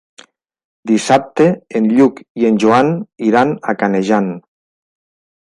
Dissabte en Lluc i en Joan iran a Canejan.